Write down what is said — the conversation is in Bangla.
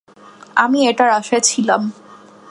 আমি এটার আশায় ছিলাম।